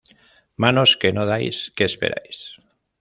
Manos que no dais que esperáis